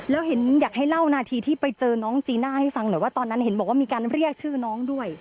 แล้วเห็นอยากให้เล่านาทีที่ไปเจอน้องจีน่าให้ฟังหน่อยว่าตอนนั้นเห็นบอกว่ามีการเรียกชื่อน้องด้วย